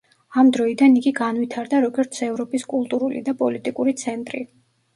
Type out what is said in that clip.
ამ დროიდან იგი განვითარდა, როგორც ევროპის კულტურული და პოლიტიკური ცენტრი.